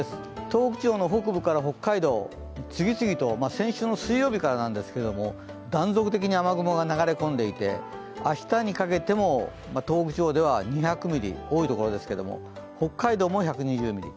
東北地方の北部から北海道、次々と先週の水曜日からなんですけど断続的に雨雲が流れ込んでいて明日にかけても東北地方では２００ミリ、多いところですけれども、北海道も１２０ミリ。